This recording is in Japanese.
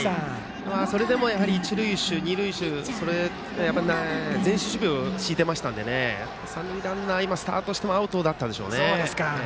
それでも一塁手、二塁手がやっぱり前進守備を敷いていたので三塁ランナー、今スタートしてもアウトだったでしょうね。